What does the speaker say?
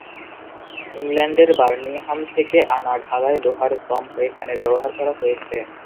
ইংল্যান্ডের বার্মিংহাম থেকে আনা ঢালাই লোহার স্তম্ভ এখানে ব্যবহার করা হয়েছে।